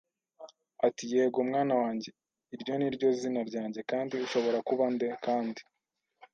Ati: “Yego, mwana wanjye!” “Iryo ni ryo zina ryanjye. Kandi ushobora kuba nde? ” Kandi